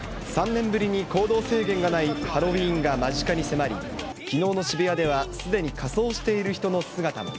３年ぶりに行動制限がないハロウィーンが間近に迫り、きのうの渋谷ではすでに仮装している人の姿も。